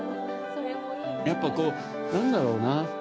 やっぱこう、なんだろうな。